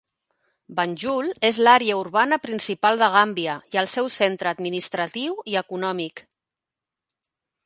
Banjul és l'àrea urbana principal de Gàmbia, i el seu centre administratiu i econòmic.